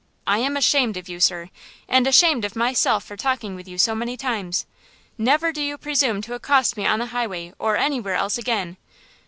I am ashamed of you, sir, and ashamed of myself for talking with you so many times! Never do you presume to accost me on the highway or anywhere else again!